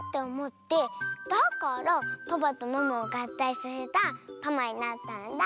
だからパパとママをがったいさせたパマになったんだ。